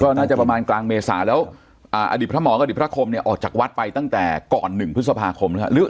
น่าจะประมาณกลางเมษาแล้วอดีตพระหมออดีตพระคมเนี่ยออกจากวัดไปตั้งแต่ก่อน๑พฤษภาคมนะครับ